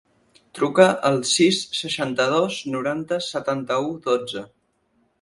Truca al sis, seixanta-dos, noranta, setanta-u, dotze.